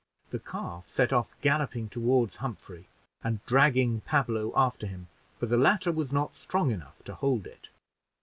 The calf set off galloping toward Humphrey, and dragging Pablo after him, for the latter was not strong enough to hold it.